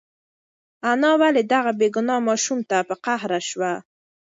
انا ولې دغه بېګناه ماشوم ته په قهر شوه؟